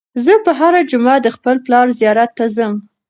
زه به هره جمعه د خپل پلار زیارت ته ځم.